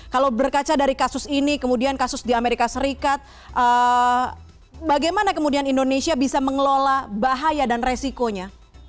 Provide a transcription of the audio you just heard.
kalau berkaca dari kasus ini kemudian kasus di amerika serikat bagaimana kemudian indonesia bisa mengelola bahaya dan resikonya